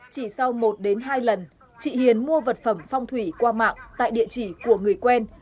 chỉ sau một hai lần chị hiền mua vật phẩm phong thủy qua mạng tại địa chỉ của người quen